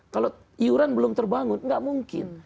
kalau iuran belum terbangun nggak mungkin